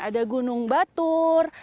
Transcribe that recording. ada gunung batur